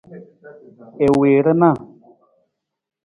I wii rana.